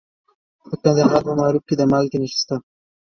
د کندهار په معروف کې د مالګې نښې شته.